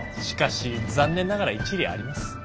しかし残念ながら一理あります。